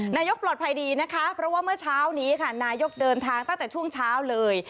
นายกปลอดภัยดีนะคะเพราะว่าเมื่อเช้านี้ค่ะนายกเดินทางตั้งแต่ช่วงเช้าเลย